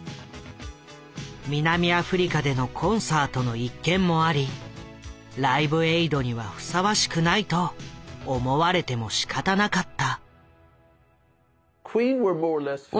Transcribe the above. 南アフリカでのコンサートの一件もあり「ライブエイド」にはふさわしくないと思われてもしかたなかった。